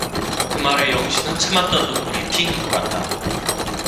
그 말에 영신은 참았던 눈물이 핑 돌았다.